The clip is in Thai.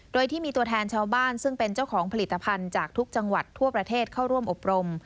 โดยที่มีตัวแทนชาวบ้านซึ่งเป็นเจ้าของผลิตภัณฑ์จากทุกจังหวัดทั่วประเทศเข้าร่วมอบรม